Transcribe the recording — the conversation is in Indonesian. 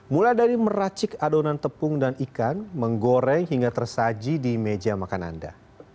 mulai dari meracik adonan tepung dan ikan menggoreng hingga tersaji di meja makan anda